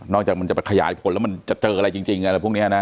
จากมันจะไปขยายผลแล้วมันจะเจออะไรจริงอะไรพวกนี้นะ